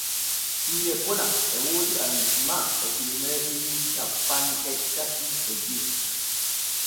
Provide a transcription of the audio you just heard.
Siire kona e woodi Arondisema e kilomeetiri cappanɗe tati e joy.